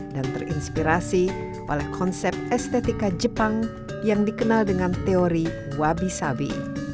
dan terinspirasi oleh konsep estetika jepang yang dikenal dengan teori wabi sabi